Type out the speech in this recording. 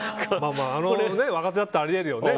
若手だったらあり得るよね。